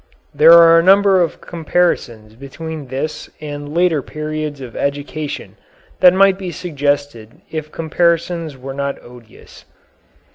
There are a number of comparisons between this and later periods of education that might be suggested if comparisons were not odious.